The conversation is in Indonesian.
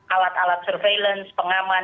alat alat surveillance pengaman